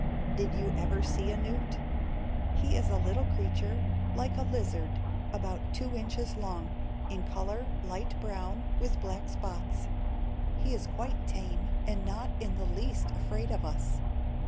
Did you ever see a newt? He is a little creature, like a lizard, about two inches long; in color, light brown, with black spots. He is quite tame, and not in the least afraid of us.